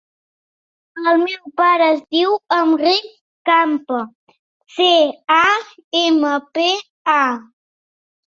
El meu pare es diu Enric Campa: ce, a, ema, pe, a.